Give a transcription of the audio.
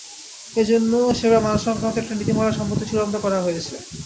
এ জন্য সেবার মানসংক্রান্ত একটি নীতিমালা সম্প্রতি চূড়ান্ত করা হয়েছে।